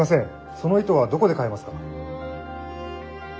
その糸はどこで買えますか？